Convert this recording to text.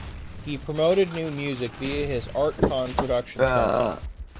He promoted new music via his Art-Con Productions company.